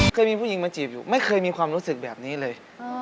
เคยมีผู้หญิงมาจีบอยู่ไม่เคยมีความรู้สึกแบบนี้เลย